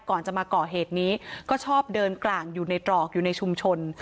ก่อนจะมาก่อเหตุนี้ก็ชอบเดินกลางอยู่ในตรอกอยู่ในชุมชน